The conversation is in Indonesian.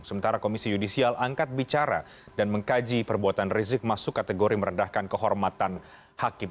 sementara komisi yudisial angkat bicara dan mengkaji perbuatan rizik masuk kategori meredahkan kehormatan hakim